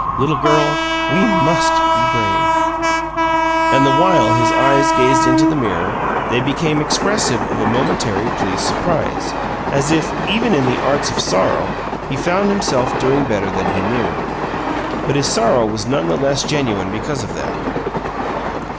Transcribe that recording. "Little girl, we MUST be brave!" And the while his eyes gazed into the mirror, they became expressive of a momentary pleased surprise, as if, even in the arts of sorrow, he found himself doing better than he knew. But his sorrow was none the less genuine because of that.